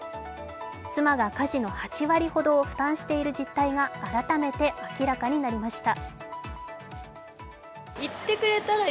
妻が家事の８割ほどを負担している実態が改めて明らかになりました。